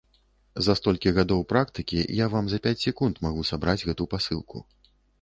За столькі гадоў практыкі я вам за пяць секунд магу сабраць гэту пасылку.